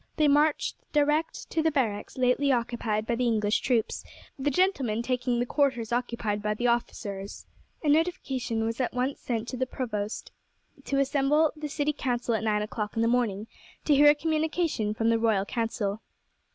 They marched direct to the barracks lately occupied by the English troops, the gentlemen taking the quarters occupied by the officers. A notification was at once sent to the provost to assemble the city council at nine o'clock in the morning, to hear a communication from the royal council.